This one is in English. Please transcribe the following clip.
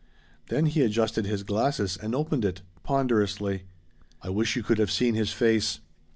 Then he adjusted his glasses and opened it ponderously. I wish you could have seen his face!